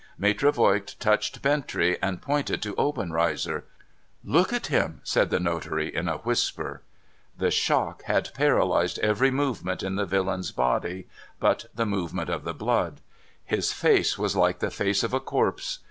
Maitre Voigt touched Bintrey, and pointed to Obenreizer. ' Look at him !' said the notary, in a whisper. The shock had paralyzed every movement in the villain's body, ^^06 NO THOROUGHFARE but the movement of the blood. His face was like the face of a corpse.